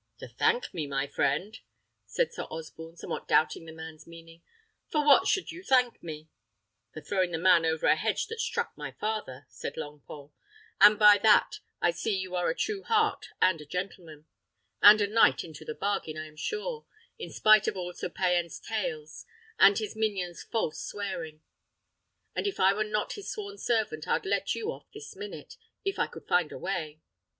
"To thank me, my friend!" said Sir Osborne, somewhat doubting the man's meaning; "for what should you thank me?" "For throwing the man over a hedge that struck my father," said Longpole, "and by that I see you are a true heart and a gentleman and a knight into the bargain, I am sure, in spite of all Sir Payan's tales, and his minion's false swearing; and if I were not his sworn servant I'd let you off this minute, if I could find a way."